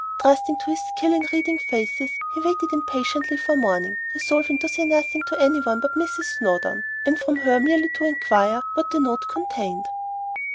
Trusting to his skill in reading faces, he waited impatiently for morning, resolving to say nothing to anyone but Mrs. Snowdon, and from her merely to inquire what the note contained.